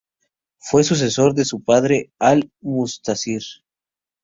Fue sucesor de su padre Al-Mustazhir.